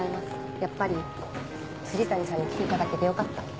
やっぱり藤谷さんに来ていただけてよかった。